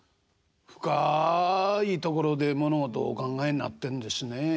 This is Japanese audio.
深いところで物事をお考えになってんですね。